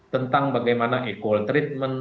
tentang bagaimana equal treatment